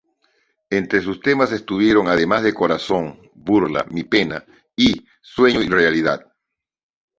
Entre estos temas estuvieron, además de "Corazón", "Burla", "Mi pena" y "Sueño y realidad".